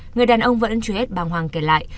người đàn ông vẫn truy hết bàng hoàng kể lại